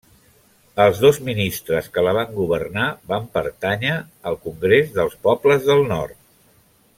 Els dos ministres que la van governar van pertànyer al Congrés dels Pobles del Nord.